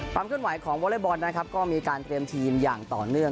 เคลื่อนไหวของวอเล็กบอลนะครับก็มีการเตรียมทีมอย่างต่อเนื่อง